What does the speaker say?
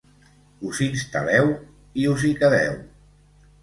Us instal·leu i us hi quedeu.